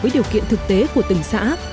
với điều kiện thực tế của từng xã